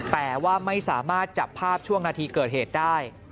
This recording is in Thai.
แต่ว่าไม่สามารถจับภาพช่วงนาทีเกิดเหตุได้